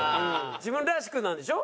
自分らしくなんでしょ？